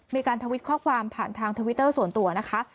ทวิตข้อความผ่านทางทวิตเตอร์ส่วนตัวนะคะ